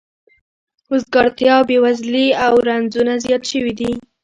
وزګارتیا او بې وزلي او رنځونه زیات شوي دي